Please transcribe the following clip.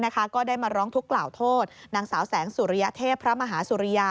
ก็ได้มาร้องทุกข์กล่าวโทษนางสาวแสงสุริยเทพพระมหาสุริยา